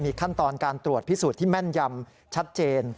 ขั้นตอนการตรวจพิสูจน์ที่แม่นยำชัดเจน